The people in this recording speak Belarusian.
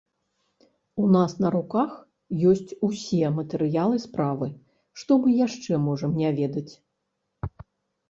У нас на руках ёсць усе матэрыялы справы, што мы яшчэ можам не ведаць?